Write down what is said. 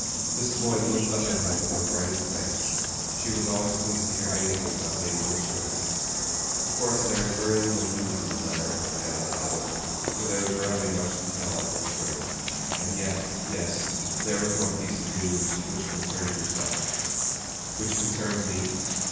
Miss Floyd looked up at him with her brightest glance. She was always pleased to hear anything about Lady Bulstrode. "Of course there is very little news in the letter," added Talbot, "for there is rarely much to tell at Bulstrode. And yet yes there is one piece of news which concerns yourself." "Which concerns me?"